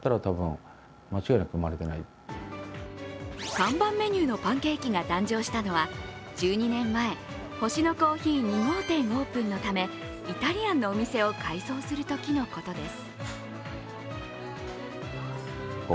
看板メニューのパンケーキが誕生したのは１２年前、星乃珈琲２号店オープンのためイタリアンのお店を改装するときのことです。